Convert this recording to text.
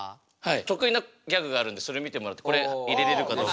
得意なギャグがあるんでそれ見てもらってこれ入れれるかどうか。